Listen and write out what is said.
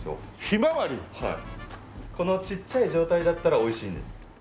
このちっちゃい状態だったらおいしいんです。